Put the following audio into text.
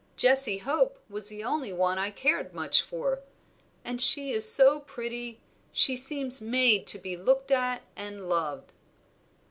Jessie Hope was the only one I cared much for, and she is so pretty, she seems made to be looked at and loved."